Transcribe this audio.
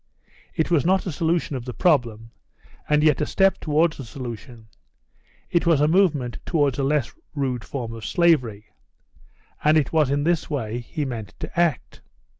It was not a solution of the problem, and yet a step towards the solution; it was a movement towards a less rude form of slavery. And it was in this way he meant to act.